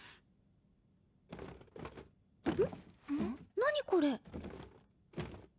何これ？